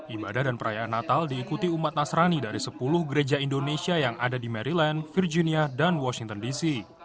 ibadah dan perayaan natal diikuti umat nasrani dari sepuluh gereja indonesia yang ada di maryland virginia dan washington dc